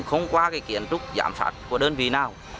không qua kiến trúc giảm phát của đơn vị nào